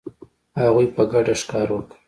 هغوی په ګډه ښکار وکړ.